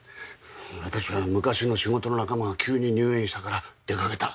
私は昔の仕事の仲間が急に入院したから出かけた。